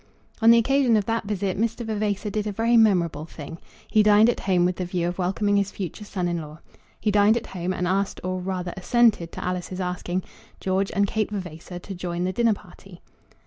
On the occasion of that visit Mr. Vavasor did a very memorable thing. He dined at home with the view of welcoming his future son in law. He dined at home, and asked, or rather assented to Alice's asking, George and Kate Vavasor to join the dinner party.